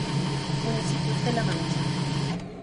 Municipios de La Mancha